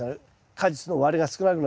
果実の割れが少なくなるし。